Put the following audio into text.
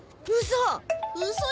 うそ！